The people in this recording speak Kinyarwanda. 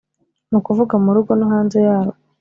Ni ukuvuga mu rugo no hanze yarwo